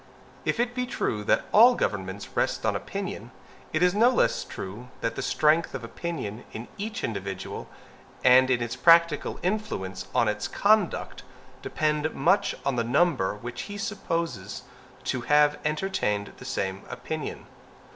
If it be true that all governments rest on opinion, it is no less true that the strength of opinion in each individual, and its practical influence on his conduct, depend much on the number which he supposes to have entertained the same opinion.